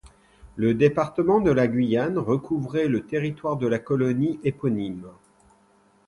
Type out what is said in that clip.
Le département de la Guyane recouvrait le territoire de la colonie éponyme.